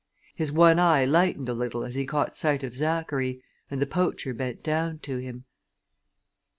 His one eye lightened a little as he caught sight of Zachary, and the poacher bent down to him.